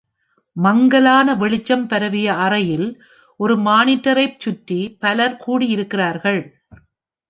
மங்கலான வெளிச்சம் பரவிய அறையில் ஒரு மானிட்டரைச் சுற்றி பலர் கூடியிருக்கிறார்கள்.